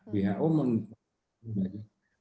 who menurut saya